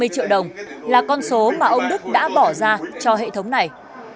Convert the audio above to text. năm mươi triệu đồng là con số mà ông đức đã bỏ ra cho hệ thống này